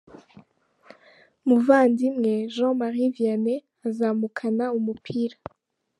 Muvandimwe Jean Marie Vianney azamukana umupira.